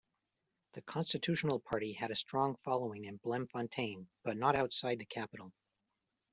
The Constitutional Party had a strong following in Bloemfontein, but not outside the capital.